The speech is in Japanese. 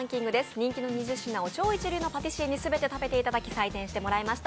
人気の２０品を超一流のパティシエに全て食べていただき、採点してもらいました。